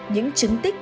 những chứng tích